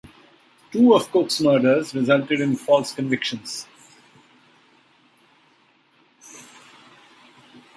Two of Cooke's murders resulted in false convictions.